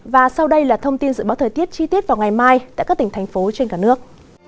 và sau đây là thông tin dự báo thời tiết chi tiết vào ngày mai tại các tỉnh thành phố trên cả nước